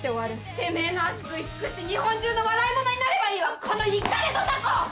てめぇの脚食い尽くして日本中の笑いものになればいいわこのイカれドタコ！